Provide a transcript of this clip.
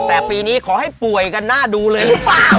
แต่ปีนี้ขอให้ป่วยกันหน้าดูเลย